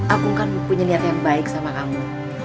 aku kan punya niat yang baik sama kamu